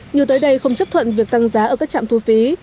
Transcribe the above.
như tới đây không chấp thuận việc tăng giá ở các trạm thu phí